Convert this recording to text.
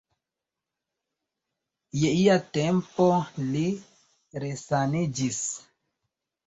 Je ia tempo li resaniĝis.